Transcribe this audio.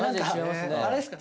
あれですか？